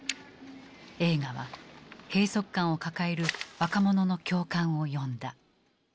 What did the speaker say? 映画は閉塞感を抱える若者の共感を呼んだ。